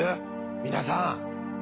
皆さん。